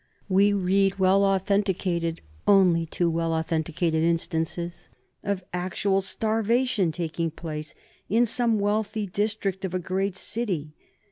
We read well authenticated, only too well authenticated, instances of actual starvation taking place in some wealthy district of a great city.